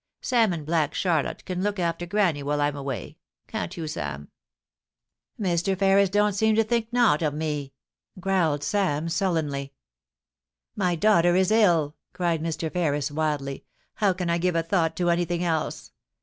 Sam and Black Charlotte can look after Granny while I'm away ; can't you, Sam ?* Mister Ferris don't seem to think nowt of me,' growled Sam, sullenly. * My daughter is ill !' cried Mr. Ferris, wildly. * How can I give a thought to anything else